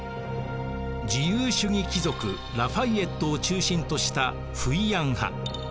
自由主義貴族ラ・ファイエットを中心としたフイヤン派。